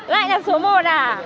lại là số một à